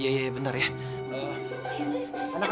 kehidupan yang lebih baik